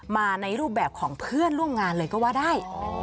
มาในรูปแบบของเพื่อนร่วมงานเลยก็ว่าได้